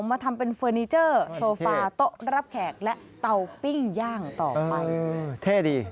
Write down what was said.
มาทำเป็นเฟอร์นิเจอร์โซฟาโต๊ะรับแขกและเตาปิ้งย่างต่อไปเท่ดี